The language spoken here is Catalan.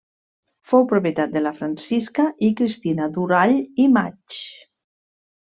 Fou propietat de Francisca i Cristina Durall i Maig.